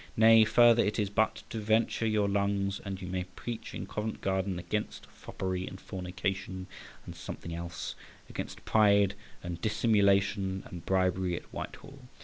Nay, further, it is but to venture your lungs, and you may preach in Covent Garden against foppery and fornication, and something else; against pride, and dissimulation, and bribery at Whitehall.